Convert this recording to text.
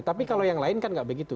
tapi kalau yang lain kan nggak begitu